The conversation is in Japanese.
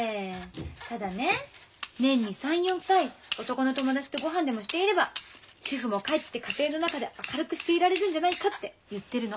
ただね年に３４回男の友達とごはんでもしていれば主婦もかえって家庭の中で明るくしていられるんじゃないかって言ってるの。